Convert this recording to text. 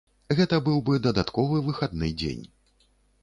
Гэта быў бы дадатковы выхадны дзень.